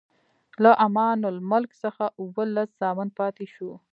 له امان الملک څخه اووه لس زامن پاتې شول.